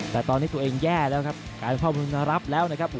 แต่ตอนนี้ตัวเองแย่แล้วครับการข้อมูลมารับแล้วนะครับ